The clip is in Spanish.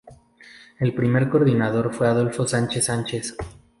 El primer Coordinador fue Adolfo Sánchez Sánchez.